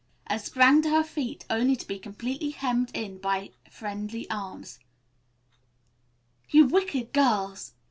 and sprang to her feet only to be completely hemmed in by friendly arms. "You wicked girls!